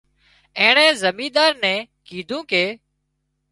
اينڻي زمينۮار نين ڪيڌوون ڪي